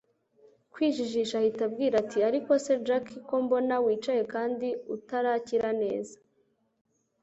kwijijisha ahita ambwira ati ariko se jack, ko mbona wicaye kandi utarakira neza